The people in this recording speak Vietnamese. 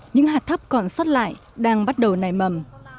những hạt thấp còn sót lại đang bắt đầu nảy mầm